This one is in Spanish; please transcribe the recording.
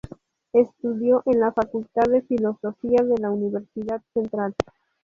Estudió en la Facultad de Filosofía de la Universidad Central.